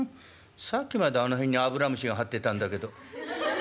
さっきまであの辺に油虫がはってたんだけど」。